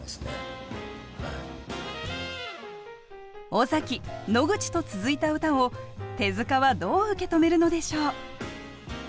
尾崎野口と続いた歌を手塚はどう受け止めるのでしょう。